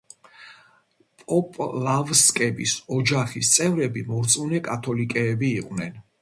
პოპლავსკების ოჯახის წევრები მორწმუნე კათოლიკეები იყვნენ.